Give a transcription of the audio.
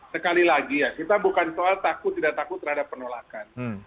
sekali lagi ya kita bukan soal takut tidak takut terhadap penolakan